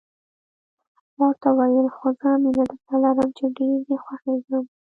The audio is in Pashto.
ما ورته وویل: خو زه مینه درسره لرم، چې ډېر دې خوښېږم.